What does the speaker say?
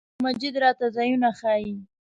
شیخ مجید راته ځایونه ښیي.